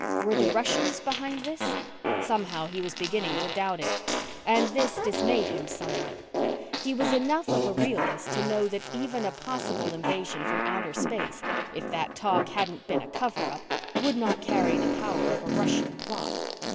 Were the Russians behind this? Somehow, he was beginning to doubt it. And this dismayed him somewhat. He was enough of a realist to know that even a possible invasion from outer space if that talk hadn't been a cover up would not carry the power of a Russian plot.